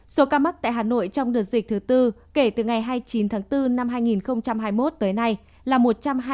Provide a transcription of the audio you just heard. số ca mắc tại hà nội trong đợt dịch thứ tư kể từ ngày hai mươi chín tháng bốn năm hai nghìn hai mươi một tới nay là một trăm hai mươi chín một mươi bảy ca